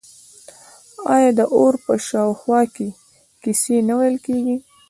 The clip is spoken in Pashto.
آیا د اور په شاوخوا کې کیسې نه ویل کیږي؟